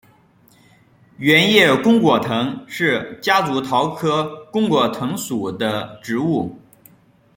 圆叶弓果藤是夹竹桃科弓果藤属的植物。